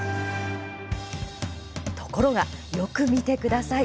ところが、よく見てください。